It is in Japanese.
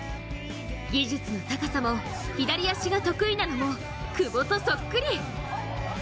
技術の高さも左足が得意なのも久保とそっくり。